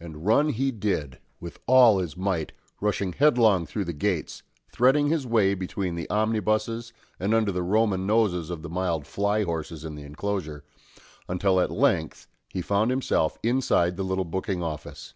And run he did, with all his might, rushing headlong through the gates, threading his way between the omnibuses and under the Roman noses of the mild fly horses in the enclosure, until at length he found himself inside the little booking office.